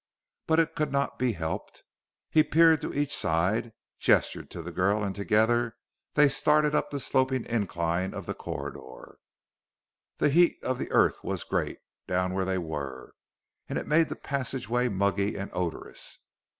But it could not be helped. He peered to each side, gestured to the girl, and together they started up the sloping incline of the corridor. The heat of the earth was great, down where they were, and it made the passageway muggy and odorous.